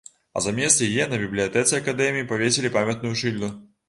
А замест яе на бібліятэцы акадэміі павесілі памятную шыльду.